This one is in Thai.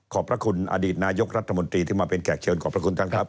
พระคุณอดีตนายกรัฐมนตรีที่มาเป็นแขกเชิญขอบพระคุณท่านครับ